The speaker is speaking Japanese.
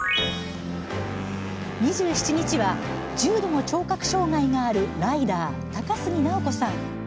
２７日は重度の聴覚障害があるライダー高杉奈緒子さん。